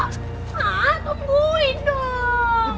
hah tungguin dong